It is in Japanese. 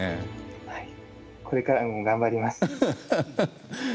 はいこれからも頑張ります。